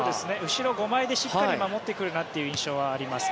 後ろ５枚でしっかり守ってくるなという印象はあります。